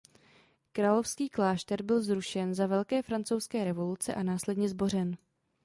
Královský klášter byl zrušen za Velké francouzské revoluce a následně zbořen.